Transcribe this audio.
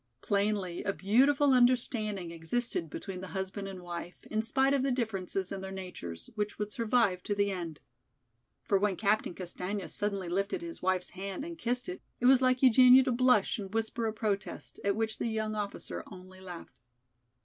Plainly a beautiful understanding existed between the husband and wife, in spite of the differences in their natures, which would survive to the end. For when Captain Castaigne suddenly lifted his wife's hand and kissed it, it was like Eugenia to blush and whisper a protest, at which the young officer only laughed.